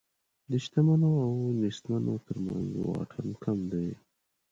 د شتمنو او نېستمنو تر منځ واټن کم دی.